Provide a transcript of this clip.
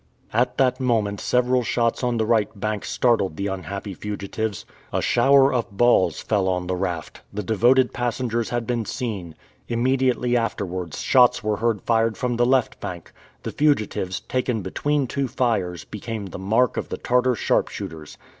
At that moment several shots on the right bank startled the unhappy fugitives. A shower of balls fell on the raft. The devoted passengers had been seen. Immediately afterwards shots were heard fired from the left bank. The fugitives, taken between two fires, became the mark of the Tartar sharpshooters.